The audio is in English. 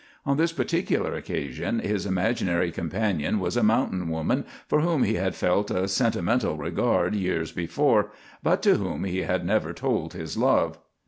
On this particular occasion his imaginary companion was a mountain woman for whom he had felt a sentimental regard years before, but to whom he had never told his love.